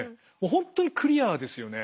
本当にクリアですよね。